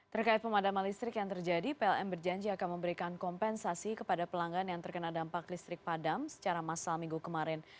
terkait pemadaman listrik yang terjadi plm berjanji akan memberikan kompensasi kepada pelanggan yang terkena dampak listrik padam secara massal minggu kemarin